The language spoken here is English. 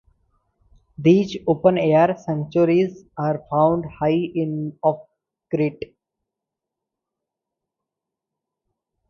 These open-air sanctuaries are found high in the of Crete.